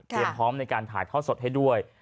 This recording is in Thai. เตรียมพร้อมในการถ่ายท่อสดให้ด้วย